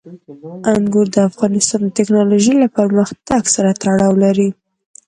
انګور د افغانستان د تکنالوژۍ له پرمختګ سره تړاو لري.